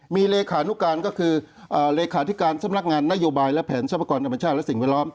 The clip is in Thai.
มีเลขานุการก็คือเลขาธิการสำนักงานนโยบายและแผนทรัพยากรธรรมชาติและสิ่งแวดล้อม